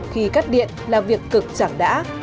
khi cắt điện là việc cực chẳng đã